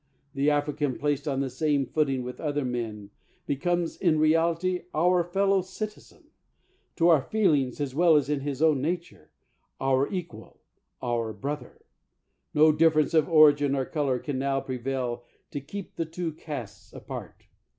The African, placed on the same footing with other 147 THE WORLD'S FAMOUS ORATIONS men, becomes in realitj' our fellow citizen — to our feelings, as well as in his own nature, our equal, our brother. Xo difference of origin or color can now prevail to keep the two castes apart.